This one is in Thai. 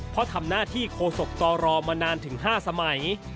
เพราะทำหน้าที่โคศกตรมานานถึง๕สมัย